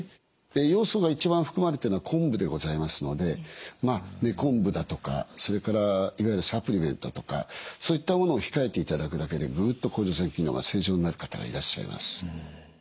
ヨウ素が一番含まれてるのはこんぶでございますのでこんぶだとかそれからいわゆるサプリメントとかそういったものを控えていただくだけでグッと甲状腺機能が正常になる方がいらっしゃいます。